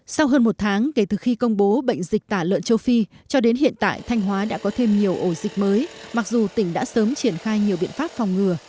sau hơn một tháng kể từ khi công bố bệnh dịch tả lợn châu phi cho đến hiện tại thanh hóa đã có thêm nhiều ổ dịch mới mặc dù tỉnh đã sớm triển khai nhiều biện pháp phòng ngừa